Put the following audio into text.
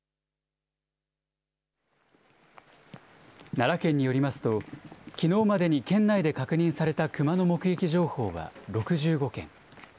奈良県によりますと、きのうまでに県内で確認されたクマの目撃情報は６５件。